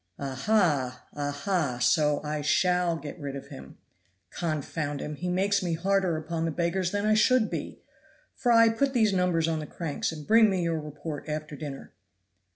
"Aha! aha! So I shall get rid of him. Confound him! he makes me harder upon the beggars than I should be. Fry, put these numbers on the cranks and bring me your report after dinner."